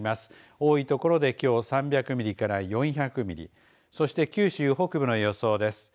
多いところできょう３００ミリから４００ミリそして九州北部の予想です。